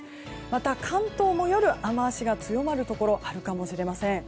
また、関東も夜雨脚が強まるところがあるかもしれません。